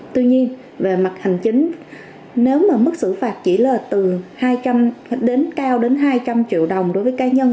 tuy nhiên về mặt hành chính nếu mà mức xử phạt chỉ là từ hai trăm linh đến cao đến hai trăm linh triệu đồng đối với cá nhân